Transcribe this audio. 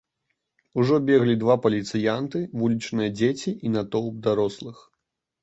Ужо беглі два паліцыянты, вулічныя дзеці і натоўп дарослых.